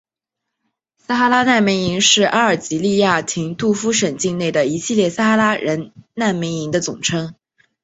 撒哈拉难民营是阿尔及利亚廷杜夫省境内的一系列撒哈拉人难民营的总称。